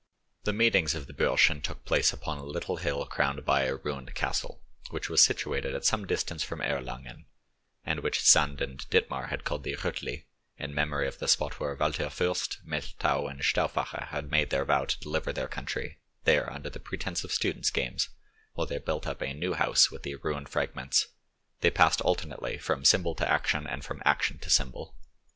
The meetings of the Burschen took place upon a little hill crowned by a ruined castle, which was situated at some distance from Erlangen, and which Sand and Dittmar had called the Ruttli, in memory of the spot where Walter Furst, Melchthal, and Stauffacher had made their vow to deliver their country; there, under the pretence of students' games, while they built up a new house with the ruined fragments, they passed alternately from symbol to action and from action to symbol.